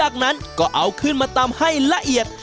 ก็เอาขึ้นมาตำให้ละเอียด